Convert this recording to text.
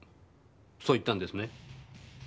そう言ったんですね？